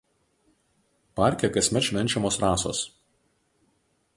Parke kasmet švenčiamos Rasos.